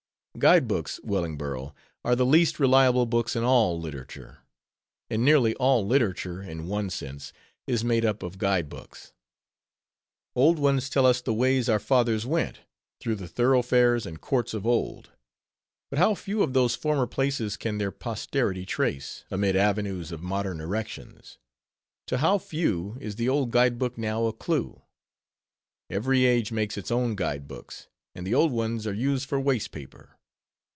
Guide books, Wellingborough, are the least reliable books in all literature; and nearly all literature, in one sense, is made up of guide books. Old ones tell us the ways our fathers went, through the thoroughfares and courts of old; but how few of those former places can their posterity trace, amid avenues of modem erections; to how few is the old guide book now a clew! Every age makes its own guidebooks, and the old ones are used for waste paper.